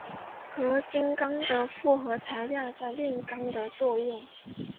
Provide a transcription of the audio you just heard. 合金钢为复合材料在炼钢的运用。